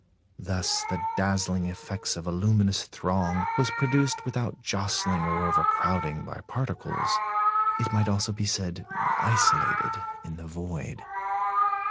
Thus the dazzling effect of a luminous throng was produced without jostling or overcrowding, by particles, it might almost be said, isolated in the void.